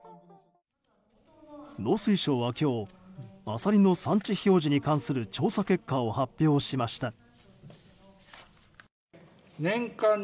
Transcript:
農水省は今日アサリの産地表示に関する調査結果を発表しました。